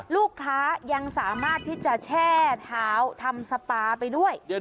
ลูกค้ายังสามารถที่จะแช่เท้าทำสปาไปด้วย